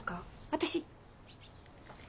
私？